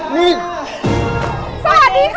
สวัสดีคะ